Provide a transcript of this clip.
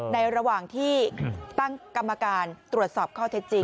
ระหว่างที่ตั้งกรรมการตรวจสอบข้อเท็จจริง